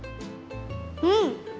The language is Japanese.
うん！